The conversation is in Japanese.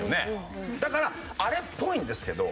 だからあれっぽいんですけど